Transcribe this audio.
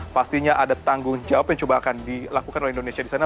pastinya ada tanggung jawab yang coba akan dilakukan oleh indonesia di sana